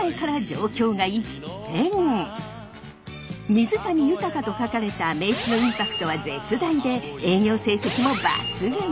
水谷豊と書かれた名刺のインパクトは絶大で営業成績も抜群！